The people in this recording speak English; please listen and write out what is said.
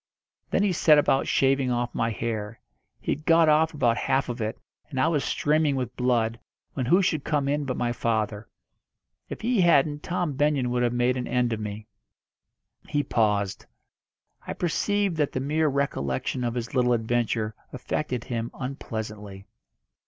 Then he set about shaving off my hair. He had got off about half of it, and I was streaming with blood, when who should come in but my father. If he hadn't Tom Benyon would have made an end of me." He paused. I perceived that the mere recollection of his little adventure affected him unpleasantly.